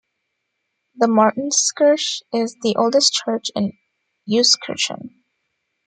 The Martinskirche is the oldest church in Euskirchen.